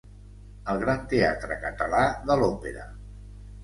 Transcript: El gran teatre català de l'òpera.